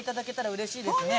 うれしいですね。